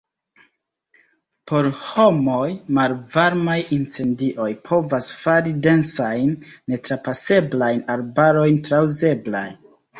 Por homoj, malvarmaj incendioj povas fari densajn, netrapaseblajn arbarojn trauzeblaj.